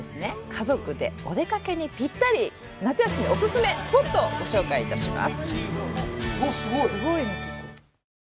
家族でお出かけにぴったり夏休みオススメスポットをご紹介致します